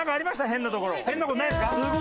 変なところないですか？